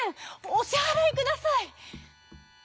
おしはらいください」。